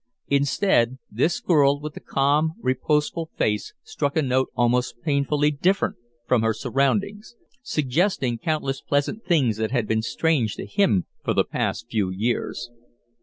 Instead, this girl with the calm, reposeful face struck a note almost painfully different from her surroundings, suggesting countless pleasant things that had been strange to him for the past few years.